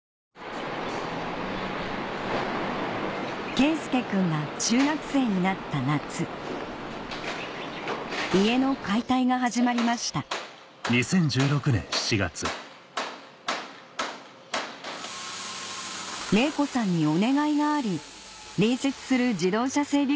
佳祐くんが中学生になった夏家の解体が始まりました玲子さんにお願いがあり隣接する自動車整備